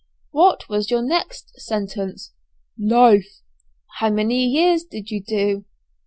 "What was your next sentence?" "Life." "How many years did you have to do?"